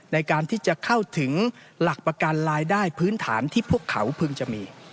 ในการที่จะเข้าถึงหลักประกันรายได้พื้นฐานที่พวกเขาพึงจะมี